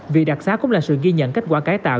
việc đặc xá cũng là sự ghi nhận kết quả cải tạo